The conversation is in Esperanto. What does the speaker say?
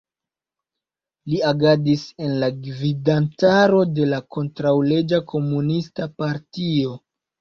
Li agadis en la gvidantaro de la kontraŭleĝa komunista partio.